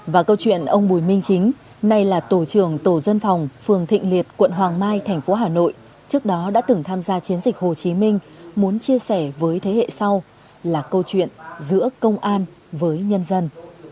và câu chuyện ông bùi minh chính nay là tổ trưởng tổ dân phòng phường thịnh liệt quận hoàng mai thành phố hà nội trước đó đã từng tham gia chiến dịch hồ chí minh muốn chia sẻ với thế hệ sau là câu chuyện giữa công an với nhân dân